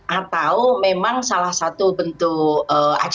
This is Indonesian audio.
atau ini memang sebuah prosedur yang berlaku